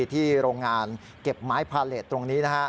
ที่โรงงานเก็บไม้พาเล็ตตรงนี้